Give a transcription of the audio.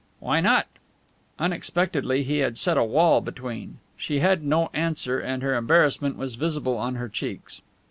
"Why not?" Unexpectedly he had set a wall between. She had no answer, and her embarrassment was visible on her cheeks.